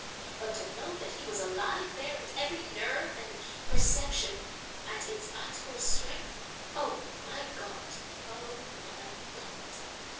But to know that he was alive there, with every nerve and perception at its utmost stretch. Oh! my God! Oh! my God!